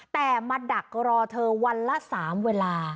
แต่มาดักรอเธอวันละ๓เวลา